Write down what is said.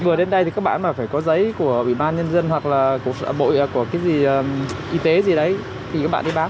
vừa đến đây thì các bạn mà phải có giấy của bộ y tế gì đấy thì các bạn đi bán